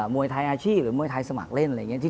มวยไทยอาชีพหรือมวยไทยสมัครเล่นอะไรอย่างนี้